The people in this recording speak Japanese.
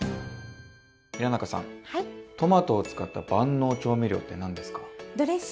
平仲さんトマトを使った万能調味料って何ですか？